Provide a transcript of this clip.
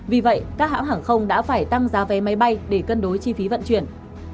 vì vậy các hãng hàng không đã phải tăng giá vé máy bay để cân đối chi phí vận chuyển